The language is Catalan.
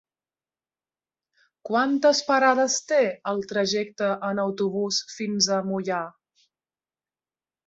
Quantes parades té el trajecte en autobús fins a Moià?